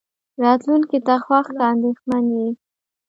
راتلونکې ته خوښ که اندېښمن يې.